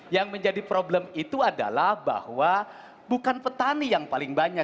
yang menjadi problem itu adalah bahwa bukan petani yang paling banyak